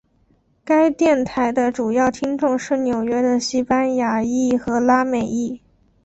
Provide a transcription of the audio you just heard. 该电台的主要听众是纽约的西班牙裔和拉美裔。